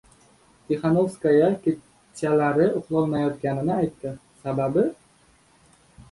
Tixanovskaya kechalari uxlolmayotganini aytdi. Sababi...